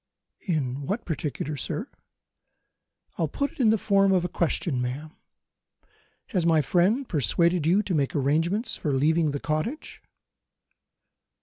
"In what particular, sir?" "I'll put it in the form of a question, ma'am. Has my friend persuaded you to make arrangements for leaving the cottage?"